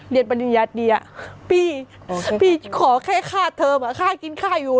เรียนบรรยายดีอ่ะพี่พี่ขอแค่ค่าเทิมอ่ะค่ากินค่าอยู่